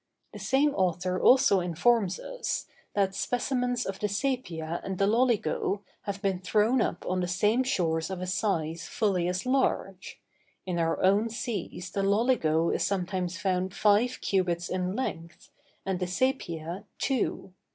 The same author also informs us, that specimens of the sæpia and the loligo have been thrown up on the same shores of a size fully as large: in our own seas the loligo is sometimes found five cubits in length, and the sæpia, two.